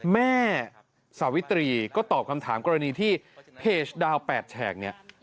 แม่สาวิตรีก็ตอบคำถามกรณีที่เพจดาว๘แฉกเนี่ย